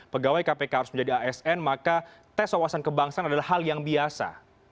pegawai kpk harus menjadi asn maka tes wawasan kebangsaan adalah hal yang biasa